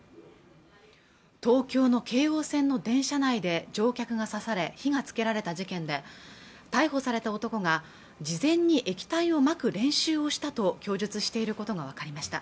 東京の京王線の電車内で乗客が刺され火がつけられた事件で逮捕された男が事前に液体をまく練習をしたと供述していることが分かりました